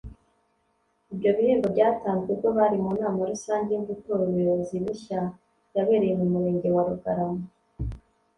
Ibyo bihembo byatanzwe ubwo bari mu nama rusange yo gutora ubuyobozi bushya yabereye mu murenge wa Rugarama